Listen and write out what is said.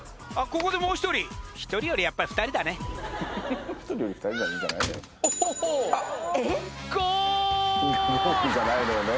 ここでもう１人１人よりやっぱ２人だねゴール！